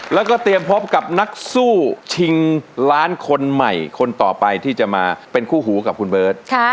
แล้วก็เตรียมพบกับนักสู้ชิงล้านคนใหม่คนต่อไปที่จะมาเป็นคู่หูกับคุณเบิร์ต